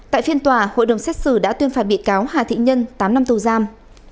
tại phiên tòa hội đồng xét xử đã tuyên phạt bị cáo hà thị nhân tám năm tù giam